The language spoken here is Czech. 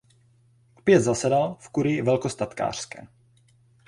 Opět zasedal v kurii velkostatkářské.